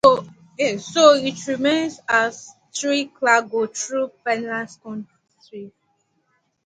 So it remains as it skirts Largo through Pinellas County.